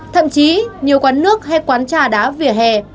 thậm chí nhiều quán nước hay quán trà đá vỉa hè